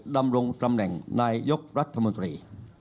ดำรงตำแหน่งนายยกรัฐมนตรี